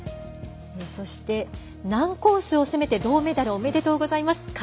そして、難コースを攻めて銅メダルおめでとうございます。